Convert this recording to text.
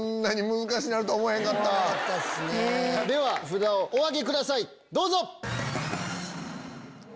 札をお挙げくださいどうぞ！